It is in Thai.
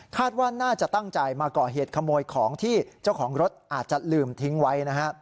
ว่าน่าจะตั้งใจมาก่อเหตุขโมยของที่เจ้าของรถอาจจะลืมทิ้งไว้นะฮะ